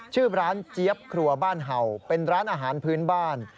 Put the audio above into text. ชื่อร้านเจี๊ยบครัวบ้านเห่าเป็นร้านอาหารพื้นบ้าน